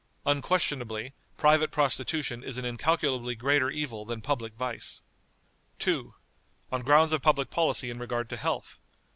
Unquestionably, private prostitution is an incalculably greater evil than public vice." "2. On grounds of public policy in regard to health.